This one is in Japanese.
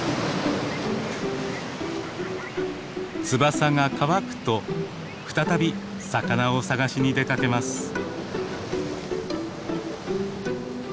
翼が乾くと再び魚を探しに出かけます。